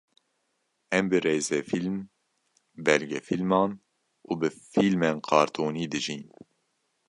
em bi rêzefîlim, belge fîliman an bi fîlmên qartonî dijîn.